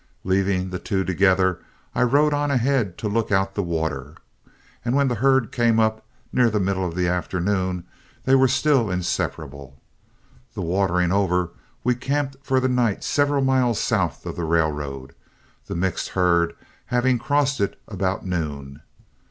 Leaving the two together, I rode on ahead to look out the water, and when the herd came up near the middle of the afternoon, they were still inseparable. The watering over, we camped for the night several miles south of the railroad, the mixed herd having crossed it about noon.